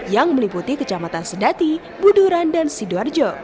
yang meliputi kecamatan sedati buduran dan sidoarjo